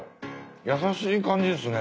優しい感じですね。